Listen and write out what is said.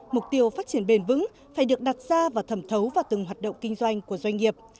mục tiêu phát triển bền vững phải được đặt ra và thẩm thấu vào từng hoạt động kinh doanh của doanh nghiệp